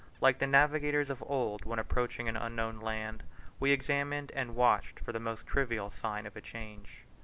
Like the navigators of old when approaching an unknown land, we examined and watched for the most trivial sign of a change.